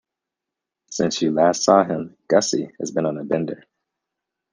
Since you last saw him, Gussie has been on a bender.